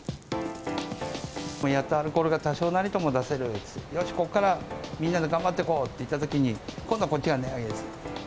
やっとアルコールが、多少なりとも出せる、よし、ここからみんなで頑張っていこうといったときに、今度、こっちが値上げです。